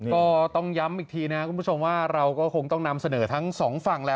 ก็ต้องย้ำอีกทีนะครับคุณผู้ชมว่าเราก็คงต้องนำเสนอทั้งสองฝั่งแหละ